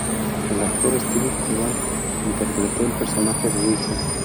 El actor Steve Coogan interpretó el personaje de Wilson.